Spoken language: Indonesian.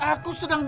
aku mau ke kantor